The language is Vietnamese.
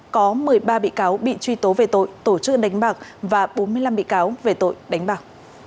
có một mươi ba bị cáo bị truy tố về tội tổ chức đánh bạc và bốn mươi năm bị cáo về tội đánh bạc